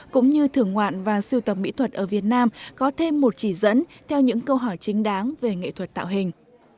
cũng như thưởng ngoạn và siêu tập mỹ thuật ở việt nam có thêm một chỉ dẫn theo những câu hỏi chính đáng về nghệ thuật tạo hình